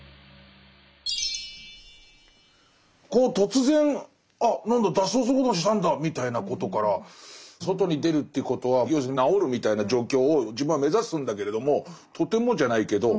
突然あなんだ脱走することにしたんだみたいなことから外に出るということは要するに「治る」みたいな状況を自分は目指すんだけれどもとてもじゃないけど。